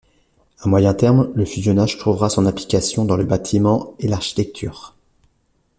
À moyen terme, le fusionnage trouvera son application dans le bâtiment et l'architecture.